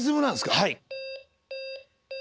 はい。